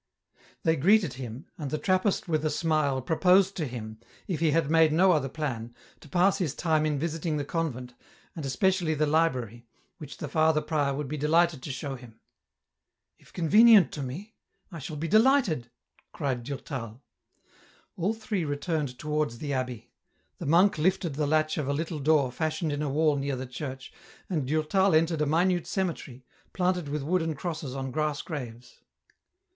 They greeted him, and the Trappist with a smile pro 288 EN ROUTE. posed to him, if he had made no other plan, to pass his time in visiting the convent, and especially the Ubrary, which the Father prior would be delighted to show him. " If convenient to me ! I shall be delighted !" cried Durtal. All three returned towards the abbey ; the monk liftea the latch of a little door fashioned in a wall near the church, and Durtal entered a minute cemetery, planted with wooden crosses on grass graves.